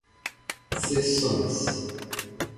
sessões